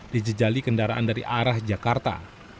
dijejali kendaraan dari arah jakarta